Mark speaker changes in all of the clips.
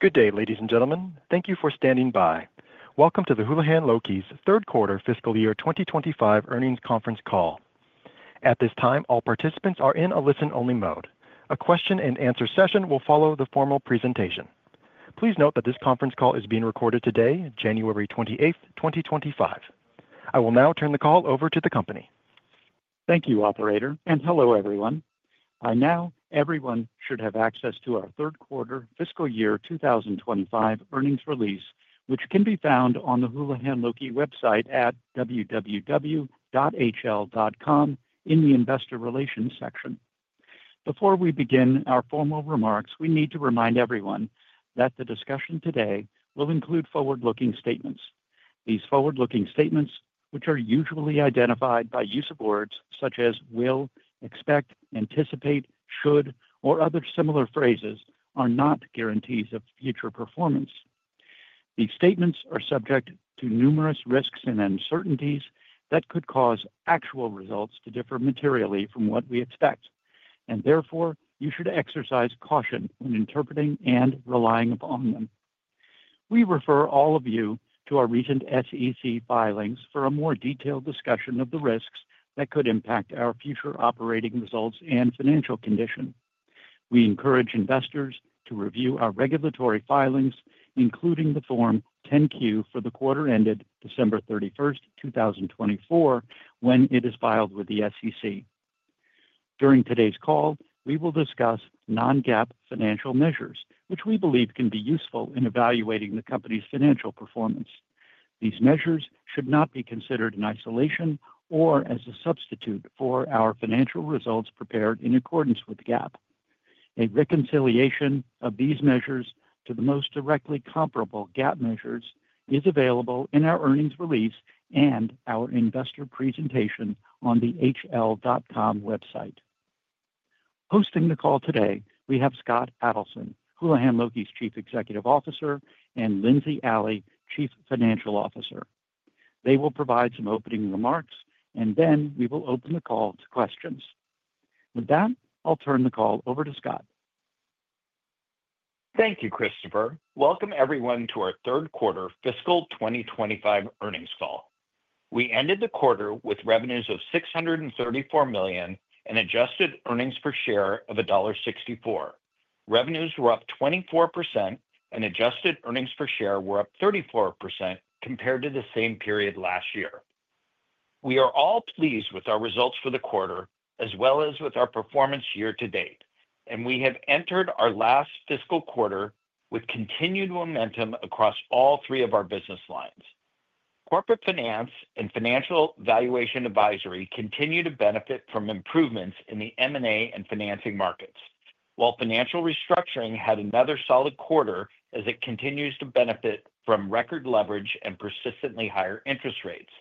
Speaker 1: Good day, ladies and gentlemen. Thank you for standing by. Welcome to the Houlihan Lokey's third quarter fiscal year 2025 earnings conference call. At this time, all participants are in a listen-only mode. A question-and-answer session will follow the formal presentation. Please note that this conference call is being recorded today, January 28th, 2025. I will now turn the call over to the company.
Speaker 2: Thank you, Operator, and hello, everyone. By now, everyone should have access to our third quarter fiscal year 2025 earnings release, which can be found on the Houlihan Lokey website at www.hl.com in the investor relations section. Before we begin our formal remarks, we need to remind everyone that the discussion today will include forward-looking statements. These forward-looking statements, which are usually identified by use of words such as will, expect, anticipate, should, or other similar phrases, are not guarantees of future performance. These statements are subject to numerous risks and uncertainties that could cause actual results to differ materially from what we expect, and therefore you should exercise caution when interpreting and relying upon them. We refer all of you to our recent SEC filings for a more detailed discussion of the risks that could impact our future operating results and financial condition. We encourage investors to review our regulatory filings, including the Form 10-Q for the quarter ended December 31st, 2024, when it is filed with the SEC. During today's call, we will discuss non-GAAP financial measures, which we believe can be useful in evaluating the company's financial performance. These measures should not be considered in isolation or as a substitute for our financial results prepared in accordance with GAAP. A reconciliation of these measures to the most directly comparable GAAP measures is available in our earnings release and our investor presentation on the hl.com website. Hosting the call today, we have Scott Adelson, Houlihan Lokey's Chief Executive Officer, and J. Lindsey Alley, Chief Financial Officer. They will provide some opening remarks, and then we will open the call to questions. With that, I'll turn the call over to Scott.
Speaker 3: Thank you, Christopher. Welcome everyone to our third quarter fiscal 2025 earnings call. We ended the quarter with revenues of $634 million and adjusted earnings per share of $1.64. Revenues were up 24%, and adjusted earnings per share were up 34% compared to the same period last year. We are all pleased with our results for the quarter, as well as with our performance year to date, and we have entered our last fiscal quarter with continued momentum across all three of our business lines. Corporate finance and financial valuation advisory continue to benefit from improvements in the M&A and financing markets, while financial restructuring had another solid quarter as it continues to benefit from record leverage and persistently higher interest rates.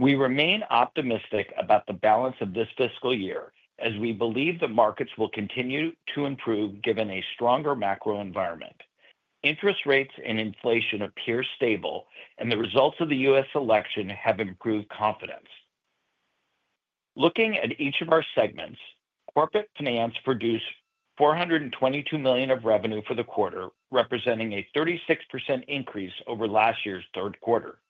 Speaker 3: We remain optimistic about the balance of this fiscal year as we believe the markets will continue to improve given a stronger macro environment. Interest rates and inflation appear stable, and the results of the U.S. election have improved confidence. Looking at each of our segments, corporate finance produced $422 million of revenue for the quarter, representing a 36% increase over last year's third quarter.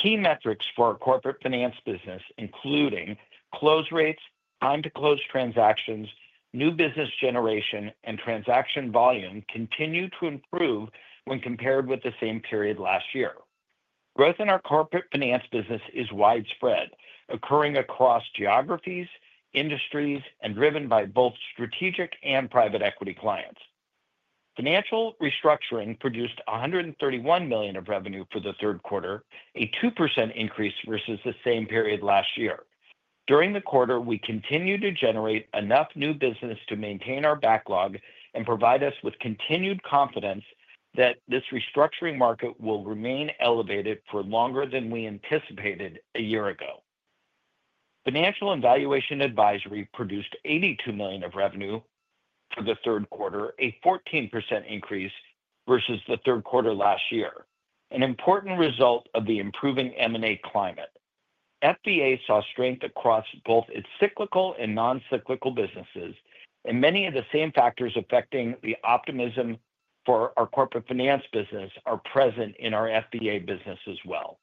Speaker 3: Key metrics for our corporate finance business, including close rates, time to close transactions, new business generation, and transaction volume, continue to improve when compared with the same period last year. Growth in our corporate finance business is widespread, occurring across geographies, industries, and driven by both strategic and private equity clients. Financial restructuring produced $131 million of revenue for the third quarter, a 2% increase versus the same period last year. During the quarter, we continue to generate enough new business to maintain our backlog and provide us with continued confidence that this restructuring market will remain elevated for longer than we anticipated a year ago. Financial and Valuation Advisory produced $82 million of revenue for the third quarter, a 14% increase versus the third quarter last year, an important result of the improving M&A climate. FVA saw strength across both its cyclical and non-cyclical businesses, and many of the same factors affecting the optimism for our Corporate Finance business are present in our FVA business as well.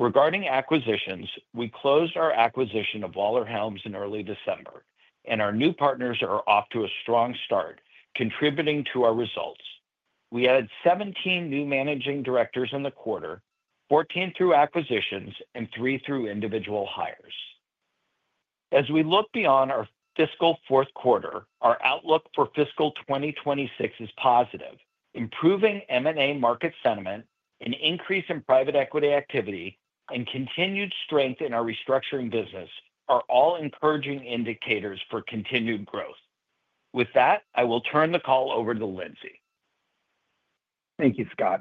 Speaker 3: Regarding acquisitions, we closed our acquisition of Waller Helms in early December, and our new partners are off to a strong start, contributing to our results. We added 17 new managing directors in the quarter, 14 through acquisitions, and 3 through individual hires. As we look beyond our fiscal fourth quarter, our outlook for fiscal 2026 is positive. Improving M&A market sentiment, an increase in private equity activity, and continued strength in our restructuring business are all encouraging indicators for continued growth. With that, I will turn the call over to Lindsey.
Speaker 4: Thank you, Scott.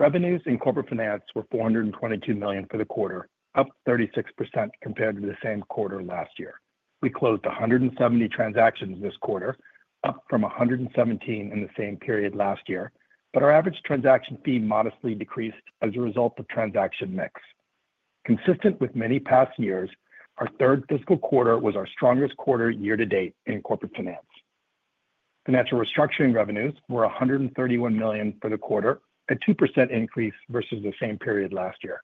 Speaker 4: Revenues in corporate finance were $422 million for the quarter, up 36% compared to the same quarter last year. We closed 170 transactions this quarter, up from 117 in the same period last year, but our average transaction fee modestly decreased as a result of transaction mix. Consistent with many past years, our third fiscal quarter was our strongest quarter year to date in corporate finance. Financial restructuring revenues were $131 million for the quarter, a 2% increase versus the same period last year.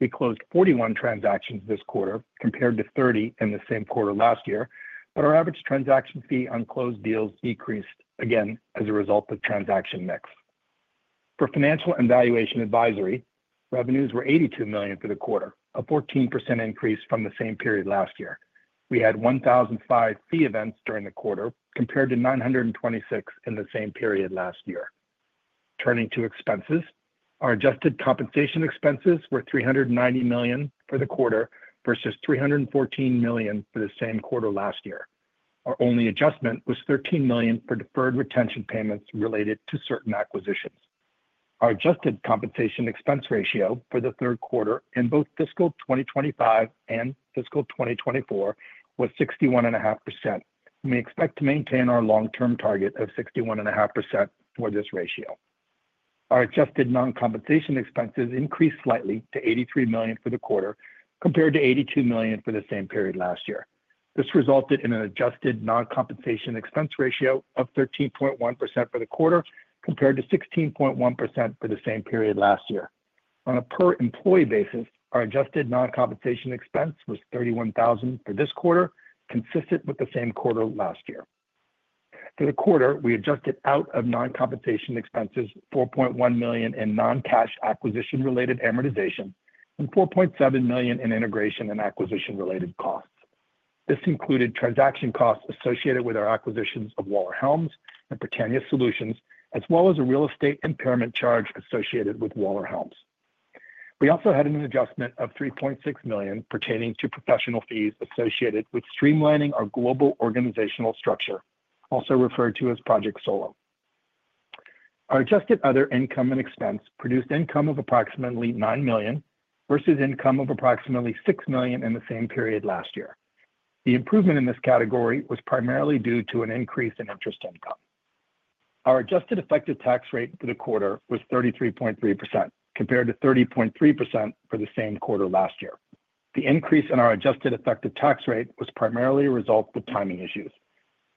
Speaker 4: We closed 41 transactions this quarter compared to 30 in the same quarter last year, but our average transaction fee on closed deals decreased again as a result of transaction mix. For financial and valuation advisory, revenues were $82 million for the quarter, a 14% increase from the same period last year. We had 1,005 fee events during the quarter compared to 926 in the same period last year. Turning to expenses, our adjusted compensation expenses were $390 million for the quarter versus $314 million for the same quarter last year. Our only adjustment was $13 million for deferred retention payments related to certain acquisitions. Our adjusted compensation expense ratio for the third quarter in both fiscal 2025 and fiscal 2024 was 61.5%, and we expect to maintain our long-term target of 61.5% for this ratio. Our adjusted non-compensation expenses increased slightly to $83 million for the quarter compared to $82 million for the same period last year. This resulted in an adjusted non-compensation expense ratio of 13.1% for the quarter compared to 16.1% for the same period last year. On a per-employee basis, our adjusted non-compensation expense was $31,000 for this quarter, consistent with the same quarter last year. For the quarter, we adjusted out of non-compensation expenses $4.1 million in non-cash acquisition-related amortization and $4.7 million in integration and acquisition-related costs. This included transaction costs associated with our acquisitions of Waller Helms and Britannia Solutions, as well as a real estate impairment charge associated with Waller Helms. We also had an adjustment of $3.6 million pertaining to professional fees associated with streamlining our global organizational structure, also referred to as Project SOLO. Our adjusted other income and expense produced income of approximately $9 million versus income of approximately $6 million in the same period last year. The improvement in this category was primarily due to an increase in interest income. Our adjusted effective tax rate for the quarter was 33.3% compared to 30.3% for the same quarter last year. The increase in our adjusted effective tax rate was primarily a result of timing issues.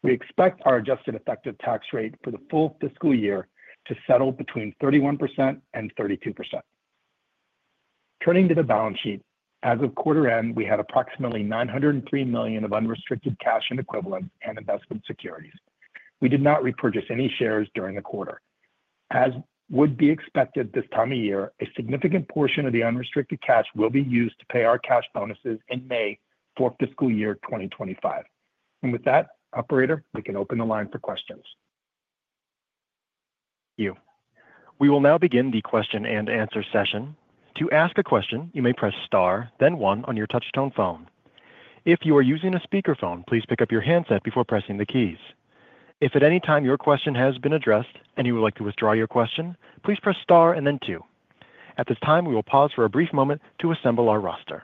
Speaker 4: We expect our adjusted effective tax rate for the full fiscal year to settle between 31% and 32%. Turning to the balance sheet, as of quarter end, we had approximately $903 million of unrestricted cash and equivalents and investment securities. We did not repurchase any shares during the quarter. As would be expected this time of year, a significant portion of the unrestricted cash will be used to pay our cash bonuses in May for fiscal year 2025. And with that, Operator, we can open the line for questions.
Speaker 1: Thank you. We will now begin the question and answer session. To ask a question, you may press *, then one on your touch-tone phone. If you are using a speakerphone, please pick up your handset before pressing the keys. If at any time your question has been addressed and you would like to withdraw your question, please press * and then two. At this time, we will pause for a brief moment to assemble our roster.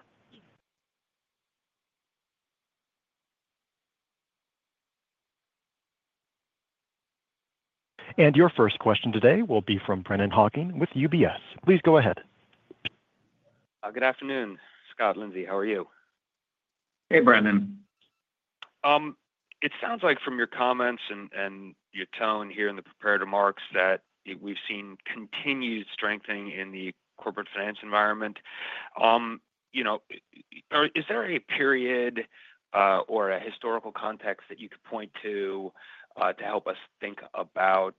Speaker 1: And your first question today will be from Brennan Hawken with UBS. Please go ahead.
Speaker 5: Good afternoon, Scott. Lindsey, how are you?
Speaker 3: Hey, Brennan.
Speaker 5: It sounds like from your comments and your tone here in the prepared remarks that we've seen continued strengthening in the corporate finance environment. Is there a period or a historical context that you could point to to help us think about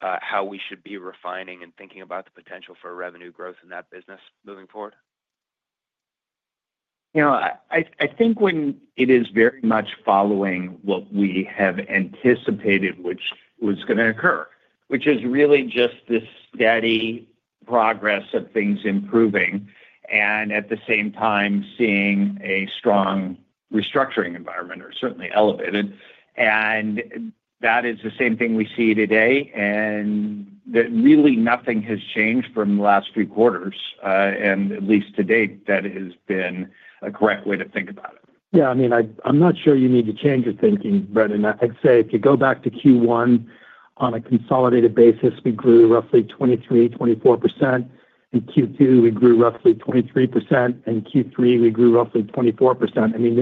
Speaker 5: how we should be refining and thinking about the potential for revenue growth in that business moving forward?
Speaker 3: I think when it is very much following what we have anticipated was going to occur, which is really just this steady progress of things improving and at the same time seeing a strong restructuring environment or certainly elevated, and that is the same thing we see today, and really nothing has changed from the last three quarters, and at least to date, that has been a correct way to think about it.
Speaker 4: Yeah, I mean, I'm not sure you need to change your thinking, Brennan. I'd say if you go back to Q1, on a consolidated basis, we grew roughly 23-24%. In Q2, we grew roughly 23%. In Q3, we grew roughly 24%. I mean,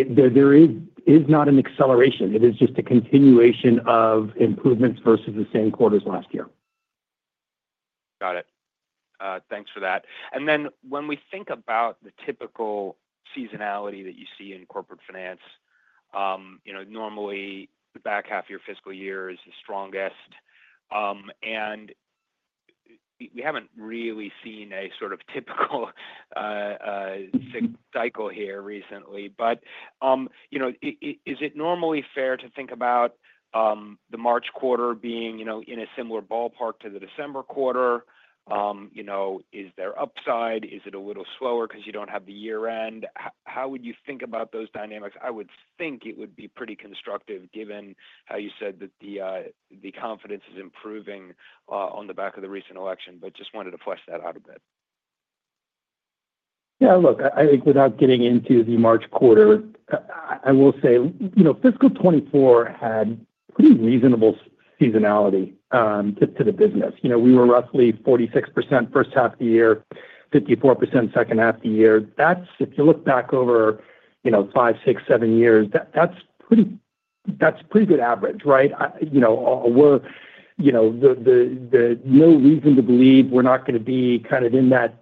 Speaker 4: there is not an acceleration. It is just a continuation of improvements versus the same quarters last year.
Speaker 5: Got it. Thanks for that. And then when we think about the typical seasonality that you see in corporate finance, normally the back half of your fiscal year is the strongest, and we haven't really seen a sort of typical cycle here recently. But is it normally fair to think about the March quarter being in a similar ballpark to the December quarter? Is there upside? Is it a little slower because you don't have the year-end? How would you think about those dynamics? I would think it would be pretty constructive given how you said that the confidence is improving on the back of the recent election, but just wanted to flesh that out a bit.
Speaker 4: Yeah, look, I think without getting into the March quarter, I will say fiscal 2024 had pretty reasonable seasonality to the business. We were roughly 46% first half of the year, 54% second half of the year. If you look back over five, six, seven years, that's pretty good average, right? No reason to believe we're not going to be kind of in that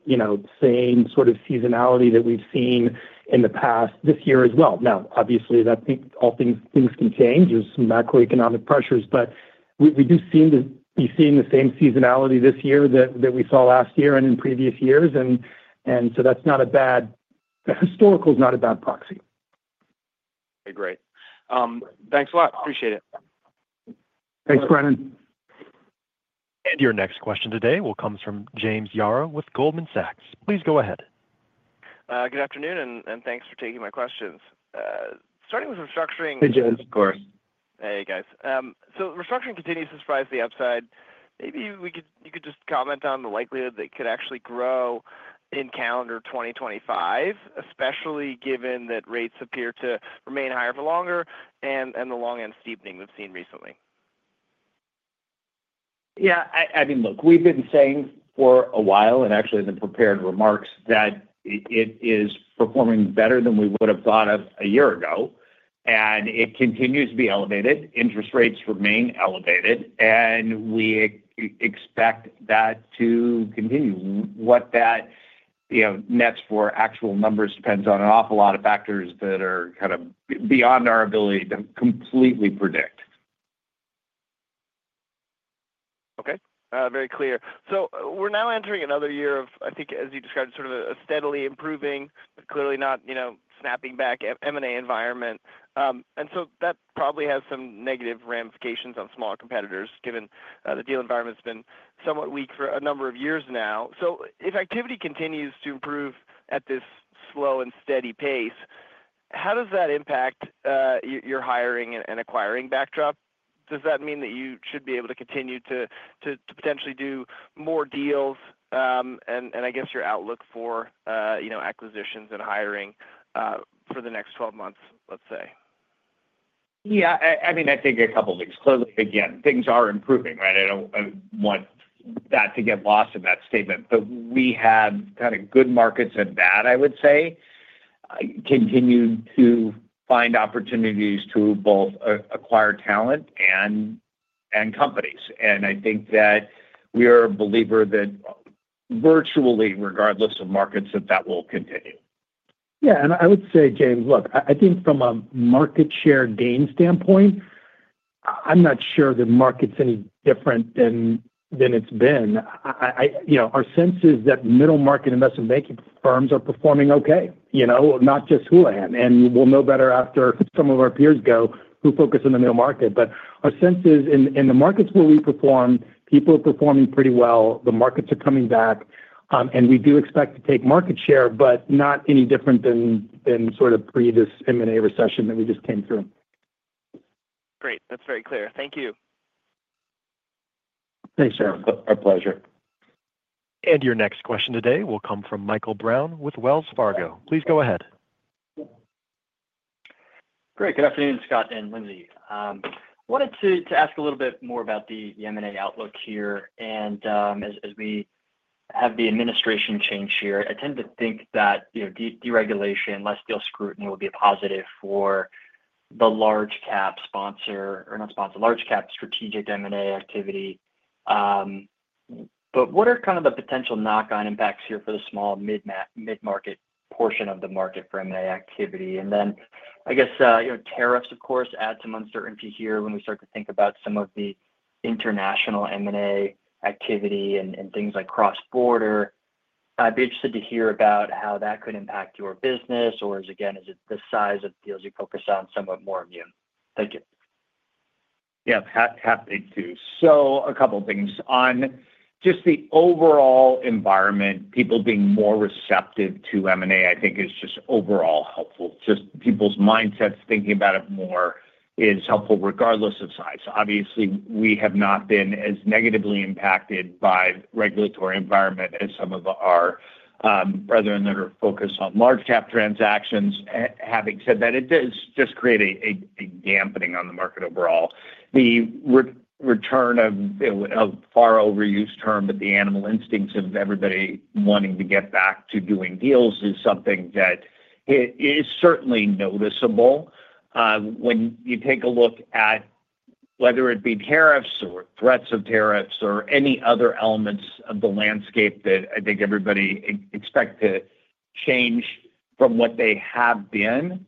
Speaker 4: same sort of seasonality that we've seen in the past this year as well. Now, obviously, I think all things can change with some macroeconomic pressures, but we do seem to be seeing the same seasonality this year that we saw last year and in previous years. And so that's not a bad historical proxy.
Speaker 5: Okay, great. Thanks a lot. Appreciate it.
Speaker 4: Thanks, Brennan.
Speaker 1: Your next question today will come from James Yaro with Goldman Sachs. Please go ahead.
Speaker 6: Good afternoon, and thanks for taking my questions. Starting with restructuring.
Speaker 4: Hey, James, of course.
Speaker 6: Hey, guys. So restructuring continues to surprise the upside. Maybe you could just comment on the likelihood that it could actually grow in calendar 2025, especially given that rates appear to remain higher for longer and the long-end steepening we've seen recently.
Speaker 3: Yeah, I mean, look, we've been saying for a while and actually in the prepared remarks that it is performing better than we would have thought of a year ago, and it continues to be elevated. Interest rates remain elevated, and we expect that to continue. What that nets for actual numbers depends on an awful lot of factors that are kind of beyond our ability to completely predict.
Speaker 6: Okay, very clear. So we're now entering another year of, I think, as you described, sort of a steadily improving, but clearly not snapping back M&A environment. And so that probably has some negative ramifications on small competitors given the deal environment has been somewhat weak for a number of years now. So if activity continues to improve at this slow and steady pace, how does that impact your hiring and acquiring backdrop? Does that mean that you should be able to continue to potentially do more deals and I guess your outlook for acquisitions and hiring for the next 12 months, let's say?
Speaker 3: Yeah, I mean, I think a couple of weeks. Clearly, again, things are improving, right? I don't want that to get lost in that statement, but we have kind of good markets and bad, I would say, continue to find opportunities to both acquire talent and companies. And I think that we are a believer that virtually, regardless of markets, that that will continue.
Speaker 4: Yeah, and I would say, James, look, I think from a market share gain standpoint, I'm not sure the market's any different than it's been. Our sense is that middle market investment banking firms are performing okay, not just Houlihan. And we'll know better after some of our peers go who focus on the middle market. But our sense is in the markets where we perform, people are performing pretty well. The markets are coming back, and we do expect to take market share, but not any different than sort of pre this M&A recession that we just came through.
Speaker 6: Great. That's very clear. Thank you.
Speaker 4: Thanks, Jerry.
Speaker 3: Our pleasure.
Speaker 1: And your next question today will come from Michael Brown with Wells Fargo. Please go ahead.
Speaker 7: Great. Good afternoon, Scott and Lindsey. I wanted to ask a little bit more about the M&A outlook here. And as we have the administration change here, I tend to think that deregulation, less deal scrutiny will be a positive for the large-cap sponsor or not sponsor, large-cap strategic M&A activity. But what are kind of the potential knock-on impacts here for the small mid-market portion of the market for M&A activity? And then I guess tariffs, of course, add some uncertainty here when we start to think about some of the international M&A activity and things like cross-border. I'd be interested to hear about how that could impact your business or, again, is it the size of deals you focus on somewhat more of you? Thank you.
Speaker 3: Yeah, happy to. So a couple of things. On just the overall environment, people being more receptive to M&A, I think, is just overall helpful. Just people's mindsets thinking about it more is helpful regardless of size. Obviously, we have not been as negatively impacted by the regulatory environment as some of our brethren that are focused on large-cap transactions. Having said that, it does just create a dampening on the market overall. The return of a far overused term, but the animal instincts of everybody wanting to get back to doing deals is something that is certainly noticeable. When you take a look at whether it be tariffs or threats of tariffs or any other elements of the landscape that I think everybody expects to change from what they have been,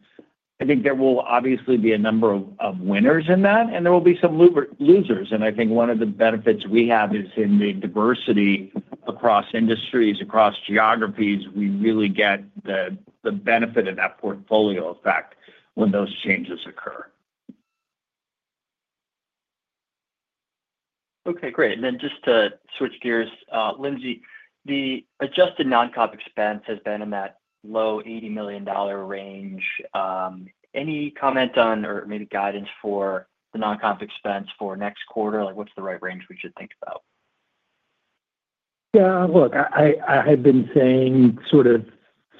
Speaker 3: I think there will obviously be a number of winners in that, and there will be some losers. I think one of the benefits we have is in the diversity across industries, across geographies. We really get the benefit of that portfolio effect when those changes occur.
Speaker 7: Okay, great. And then just to switch gears, Lindsey, the adjusted non-comp expense has been in that low $80 million range. Any comment on or maybe guidance for the non-comp expense for next quarter? What's the right range we should think about?
Speaker 4: Yeah, look, I had been saying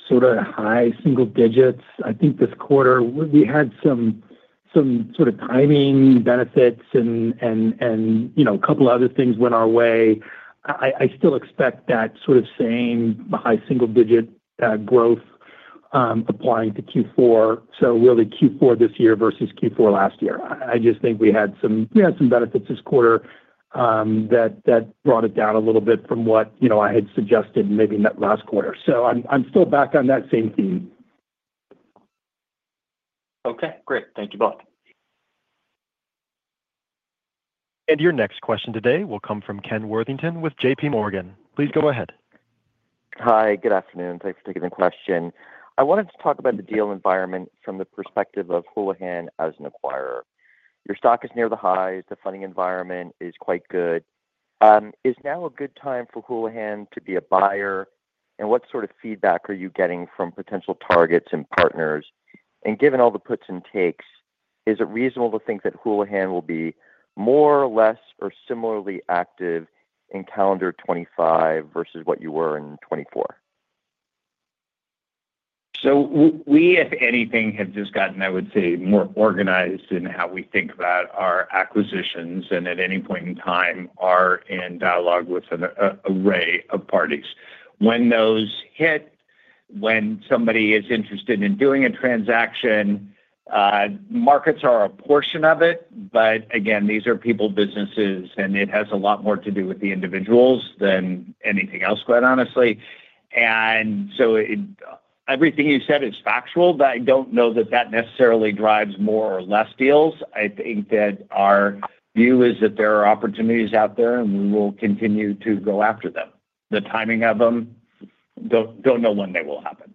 Speaker 4: sort of high single digits. I think this quarter we had some sort of timing benefits and a couple of other things went our way. I still expect that sort of same high single-digit growth applying to Q4. So really Q4 this year versus Q4 last year. I just think we had some benefits this quarter that brought it down a little bit from what I had suggested maybe last quarter. So I'm still back on that same theme.
Speaker 7: Okay, great. Thank you both.
Speaker 1: And your next question today will come from Ken Worthington with J.P. Morgan. Please go ahead.
Speaker 8: Hi, good afternoon. Thanks for taking the question. I wanted to talk about the deal environment from the perspective of Houlihan as an acquirer. Your stock is near the highs. The funding environment is quite good. Is now a good time for Houlihan to be a buyer? And what sort of feedback are you getting from potential targets and partners? And given all the puts and takes, is it reasonable to think that Houlihan will be more or less or similarly active in calendar 2025 versus what you were in 2024?
Speaker 3: So, if anything, we have just gotten—I would say—more organized in how we think about our acquisitions, and at any point in time we are in dialogue with an array of parties. When those hit, when somebody is interested in doing a transaction, markets are a portion of it. But again, these are people, businesses, and it has a lot more to do with the individuals than anything else, quite honestly. And so everything you said is factual, but I don't know that that necessarily drives more or less deals. I think that our view is that there are opportunities out there, and we will continue to go after them. The timing of them. I don't know when they will happen.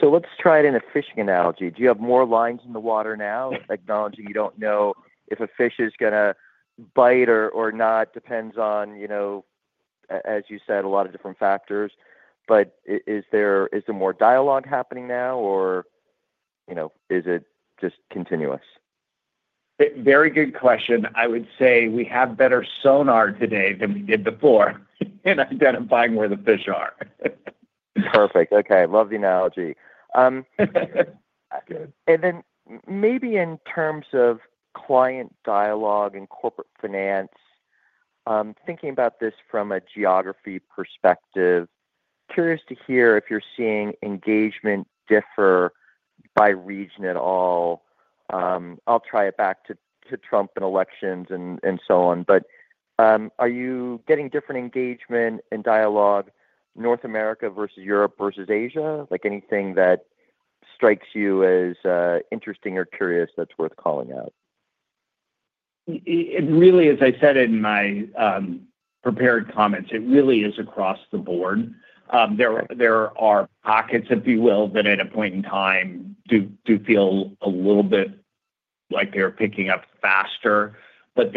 Speaker 8: So let's try it in a fishing analogy. Do you have more lines in the water now? Acknowledging you don't know if a fish is going to bite or not depends on, as you said, a lot of different factors. But is there more dialogue happening now, or is it just continuous?
Speaker 3: Very good question. I would say we have better sonar today than we did before in identifying where the fish are.
Speaker 8: Perfect. Okay, love the analogy. And then maybe in terms of client dialogue and corporate finance, thinking about this from a geography perspective, curious to hear if you're seeing engagement differ by region at all. I'll tie it back to Trump and elections and so on. But are you getting different engagement and dialogue North America versus Europe versus Asia? Anything that strikes you as interesting or curious that's worth calling out?
Speaker 3: It really, as I said in my prepared comments, it really is across the board. There are pockets, if you will, that at a point in time do feel a little bit like they're picking up faster. But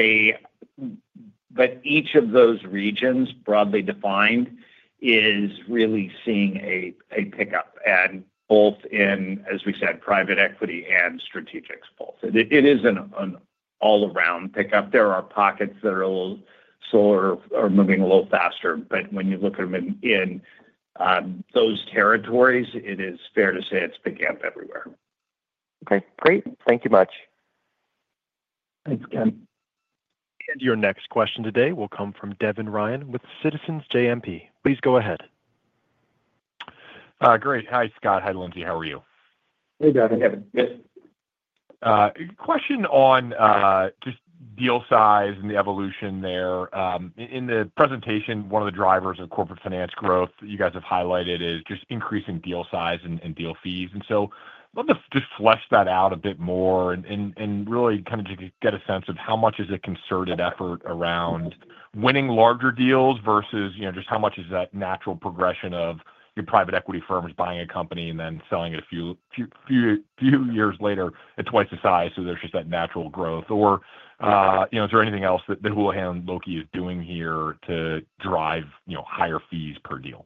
Speaker 3: each of those regions, broadly defined, is really seeing a pickup, and both in, as we said, private equity and strategics both. It is an all-around pickup. There are pockets that are a little slower or moving a little faster. But when you look at them in those territories, it is fair to say it's picking up everywhere.
Speaker 8: Okay, great. Thank you much.
Speaker 4: Thanks, Ken.
Speaker 1: Your next question today will come from Devin Ryan with Citizens JMP. Please go ahead.
Speaker 9: Great. Hi, Scott. Hi, Lindsey. How are you?
Speaker 4: Hey, Devin.
Speaker 9: Good. Question on just deal size and the evolution there. In the presentation, one of the drivers of corporate finance growth you guys have highlighted is just increasing deal size and deal fees. And so let's just flesh that out a bit more and really kind of just get a sense of how much is a concerted effort around winning larger deals versus just how much is that natural progression of your private equity firms buying a company and then selling it a few years later at twice the size? So there's just that natural growth. Or is there anything else that Houlihan Lokey is doing here to drive higher fees per deal?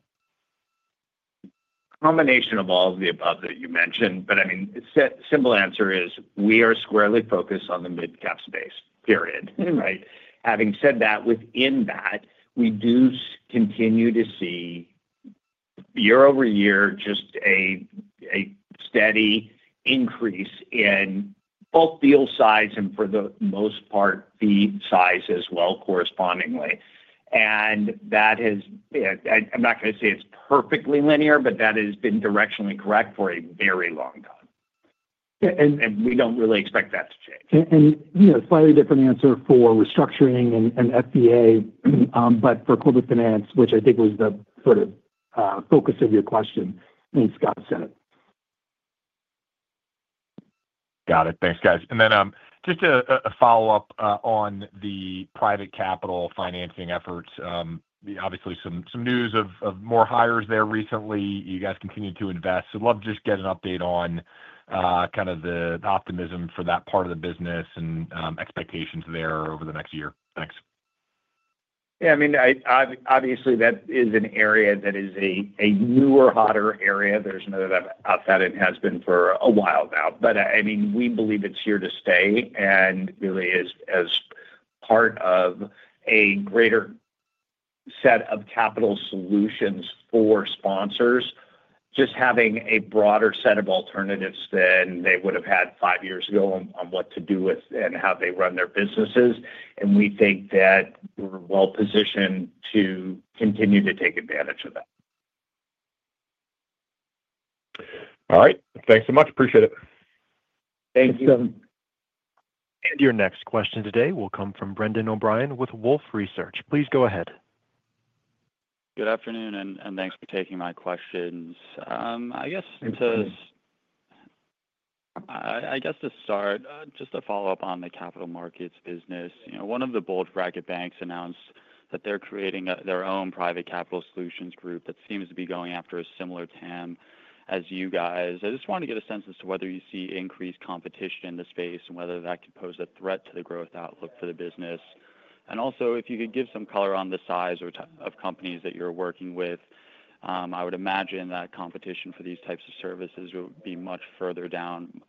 Speaker 3: Combination of all of the above that you mentioned. But I mean, the simple answer is we are squarely focused on the mid-cap space, period, right? Having said that, within that, we do continue to see year over year just a steady increase in both deal size and, for the most part, fee size as well correspondingly. And that has. I'm not going to say it's perfectly linear, but that has been directionally correct for a very long time. And we don't really expect that to change.
Speaker 4: Slightly different answer for restructuring and FVA, but for corporate finance, which I think was the sort of focus of your question. I think Scott said it.
Speaker 9: Got it. Thanks, guys. And then just a follow-up on the private capital financing efforts. Obviously, some news of more hires there recently. You guys continue to invest. So I'd love to just get an update on kind of the optimism for that part of the business and expectations there over the next year. Thanks.
Speaker 3: Yeah, I mean, obviously, that is an area that is a newer, hotter area. There's another that I've outlined, it has been for a while now. But I mean, we believe it's here to stay and really is as part of a greater set of capital solutions for sponsors, just having a broader set of alternatives than they would have had five years ago on what to do with and how they run their businesses, and we think that we're well positioned to continue to take advantage of that.
Speaker 9: All right. Thanks so much. Appreciate it.
Speaker 3: Thank you.
Speaker 4: Thanks, Kevin.
Speaker 1: Your next question today will come from Brendan O'Brien with Wolfe Research. Please go ahead.
Speaker 10: Good afternoon, and thanks for taking my questions. I guess to start, just a follow-up on the capital markets business. One of the bulge bracket banks announced that they're creating their own private capital solutions group that seems to be going after a similar TAM as you guys. I just wanted to get a sense as to whether you see increased competition in the space and whether that could pose a threat to the growth outlook for the business. And also, if you could give some color on the size of companies that you're working with, I would imagine that competition for these types of services would be much further down,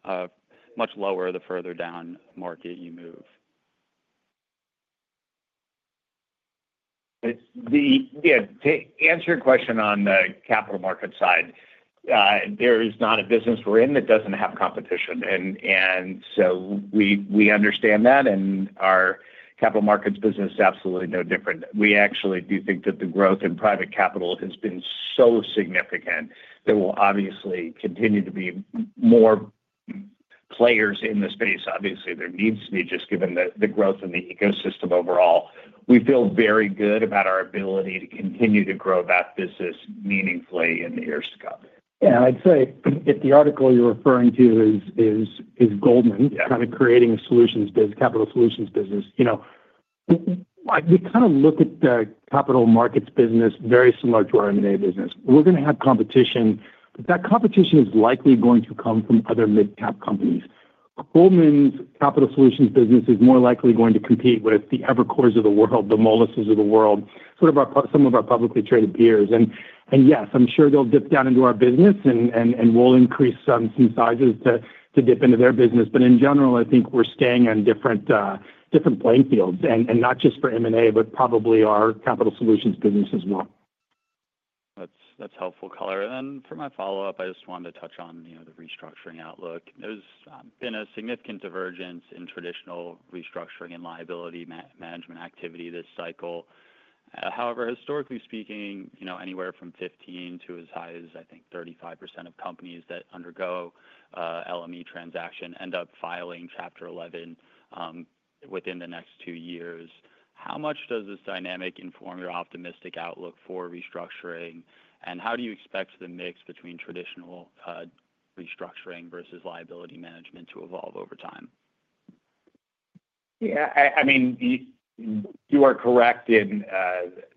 Speaker 10: much lower the further down market you move.
Speaker 3: Yeah, to answer your question on the capital market side, there is not a business we're in that doesn't have competition, and so we understand that, and our capital markets business is absolutely no different. We actually do think that the growth in private capital has been so significant that we'll obviously continue to be more players in the space. Obviously, there needs to be, just given the growth in the ecosystem overall. We feel very good about our ability to continue to grow that business meaningfully in the years to come.
Speaker 4: Yeah, I'd say if the article you're referring to is Goldman kind of creating a solutions business, capital solutions business, we kind of look at the capital markets business very similar to our M&A business. We're going to have competition, but that competition is likely going to come from other mid-cap companies. Goldman's capital solutions business is more likely going to compete with the Evercore's of the world, the Moelis's of the world, some of our publicly traded peers, and yes, I'm sure they'll dip down into our business, and we'll increase some sizes to dip into their business, but in general, I think we're staying on different playing fields, and not just for M&A, but probably our capital solutions business as well.
Speaker 10: That's helpful color. And then for my follow-up, I just wanted to touch on the restructuring outlook. There's been a significant divergence in traditional restructuring and liability management activity this cycle. However, historically speaking, anywhere from 15% to as high as, I think, 35% of companies that undergo LME transaction end up filing Chapter 11 within the next two years. How much does this dynamic inform your optimistic outlook for restructuring? And how do you expect the mix between traditional restructuring versus liability management to evolve over time?
Speaker 3: Yeah, I mean, you are correct in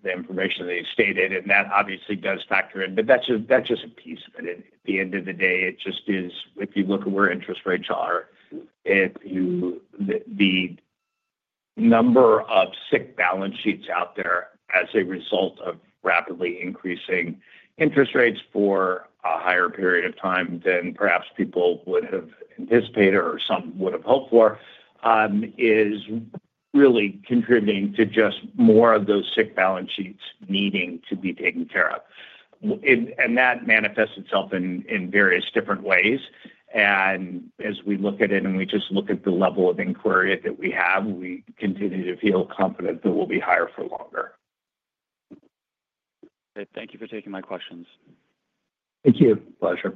Speaker 3: the information that you stated, and that obviously does factor in. But that's just a piece of it. At the end of the day, it just is, if you look at where interest rates are, the number of sick balance sheets out there as a result of rapidly increasing interest rates for a higher period of time than perhaps people would have anticipated or some would have hoped for is really contributing to just more of those sick balance sheets needing to be taken care of. And that manifests itself in various different ways. And as we look at it and we just look at the level of inquiry that we have, we continue to feel confident that we'll be higher for longer.
Speaker 10: Okay, thank you for taking my questions.
Speaker 4: Thank you. Pleasure.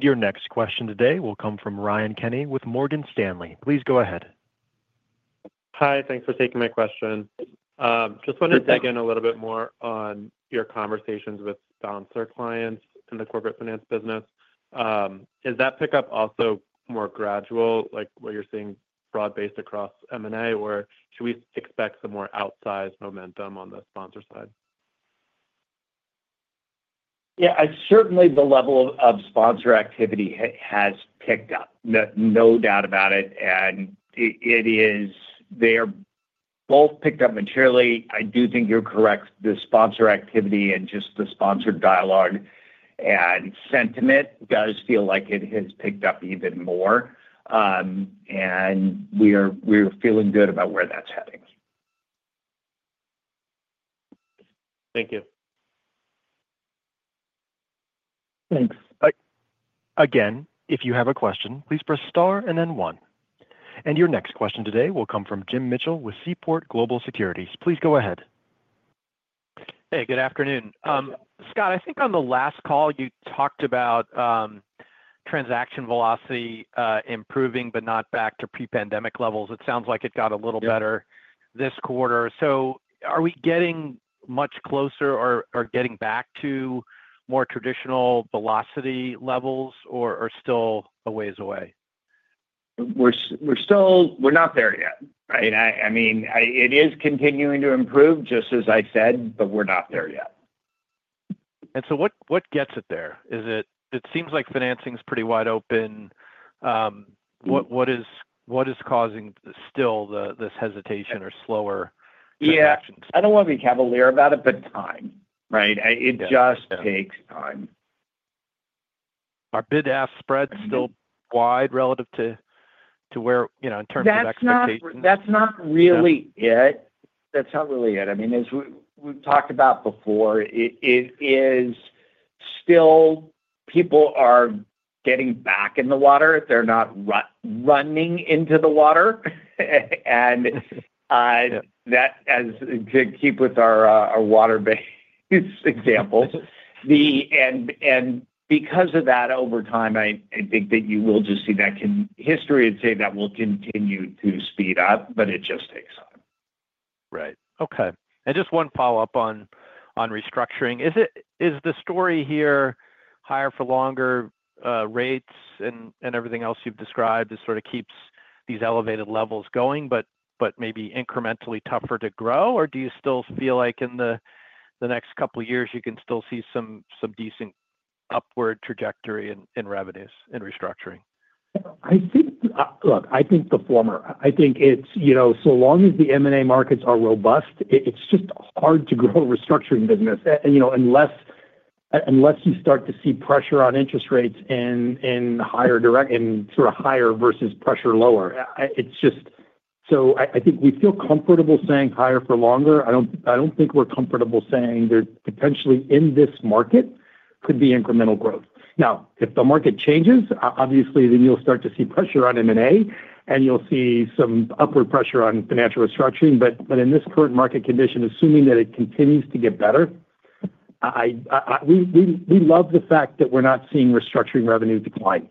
Speaker 1: Your next question today will come from Ryan Kenney with Morgan Stanley. Please go ahead.
Speaker 11: Hi, thanks for taking my question. Just wanted to dig in a little bit more on your conversations with sponsor clients in the corporate finance business. Is that pickup also more gradual, like what you're seeing broad-based across M&A, or should we expect some more outsized momentum on the sponsor side?
Speaker 3: Yeah, certainly the level of sponsor activity has picked up. No doubt about it. And they're both picked up materially. I do think you're correct. The sponsor activity and just the sponsor dialogue and sentiment does feel like it has picked up even more. And we're feeling good about where that's heading.
Speaker 11: Thank you.
Speaker 4: Thanks.
Speaker 1: Again, if you have a question, please press * and then one. And your next question today will come from Jim Mitchell with Seaport Global Securities. Please go ahead.
Speaker 12: Hey, good afternoon. Scott, I think on the last call, you talked about transaction velocity improving, but not back to pre-pandemic levels. It sounds like it got a little better this quarter. So are we getting much closer or getting back to more traditional velocity levels, or still a ways away?
Speaker 3: We're not there yet. I mean, it is continuing to improve, just as I said, but we're not there yet.
Speaker 12: And so what gets it there? It seems like financing is pretty wide open. What is causing still this hesitation or slower transactions?
Speaker 3: Yeah, I don't want to be cavalier about it, but time, right? It just takes time.
Speaker 12: Are bid/ask spreads still wide relative to where in terms of expectations?
Speaker 3: That's not really it. That's not really it. I mean, as we've talked about before, it is still people are getting back in the water. They're not running into the water, and to keep with our water-based example, and because of that, over time, I think that you will just see that history and say that will continue to speed up, but it just takes time.
Speaker 12: Right. Okay, and just one follow-up on restructuring. Is the story here, higher for longer rates and everything else you've described, it sort of keeps these elevated levels going, but maybe incrementally tougher to grow? Or do you still feel like in the next couple of years, you can still see some decent upward trajectory in revenues in restructuring?
Speaker 4: Look, I think the former. I think so long as the M&A markets are robust, it's just hard to grow a restructuring business unless you start to see pressure on interest rates and sort of higher versus pressure lower. So I think we feel comfortable saying higher for longer. I don't think we're comfortable saying that potentially in this market could be incremental growth. Now, if the market changes, obviously, then you'll start to see pressure on M&A, and you'll see some upward pressure on financial restructuring. But in this current market condition, assuming that it continues to get better, we love the fact that we're not seeing restructuring revenues decline.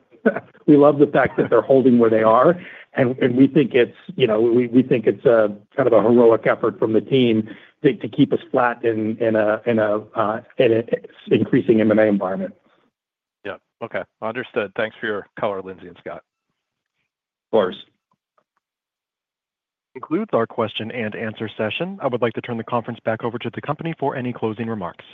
Speaker 4: We love the fact that they're holding where they are. We think it's kind of a heroic effort from the team to keep us flat in an increasing M&A environment.
Speaker 12: Yeah. Okay. Understood. Thanks for your color, Lindsey and Scott.
Speaker 3: Of course.
Speaker 1: Concludes our question and answer session. I would like to turn the conference back over to the company for any closing remarks.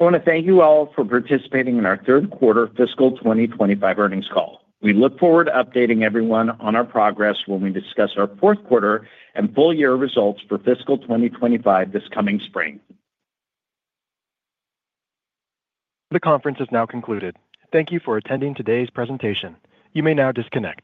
Speaker 3: I want to thank you all for participating in our third quarter fiscal 2025 earnings call. We look forward to updating everyone on our progress when we discuss our fourth quarter and full year results for fiscal 2025 this coming spring.
Speaker 1: The conference is now concluded. Thank you for attending today's presentation. You may now disconnect.